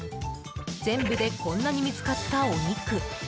全部でこんなに見つかったお肉。